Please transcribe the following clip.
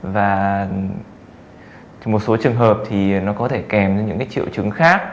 và trong một số trường hợp thì nó có thể kèm với những triệu chứng khác